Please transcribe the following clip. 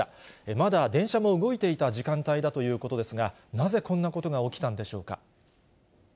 まだ電車も動いていた時間帯だということですが、なぜこんなことが起きたんでしょうか。